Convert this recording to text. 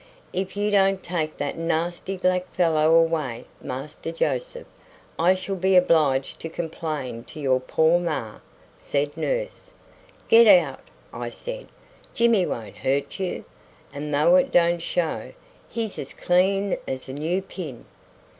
"If you don't take that nasty black fellow away, Master Joseph, I shall be obliged to complain to your poor ma," said nurse. "Get out!" I said; "Jimmy won't hurt you; and though it don't show, he's as clean as a new pin."